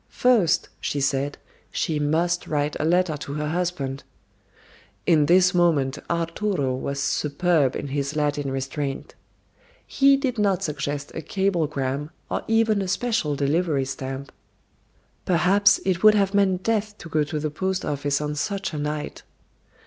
First, she said, she must write a letter to her husband. In this moment Arturo was superb in his Latin restraint. He did not suggest a cablegram or even a special delivery stamp. Perhaps it would have meant death to go to the postoffice on such a night.